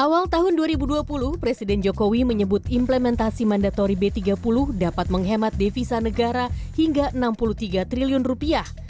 awal tahun dua ribu dua puluh presiden jokowi menyebut implementasi mandatori b tiga puluh dapat menghemat devisa negara hingga enam puluh tiga triliun rupiah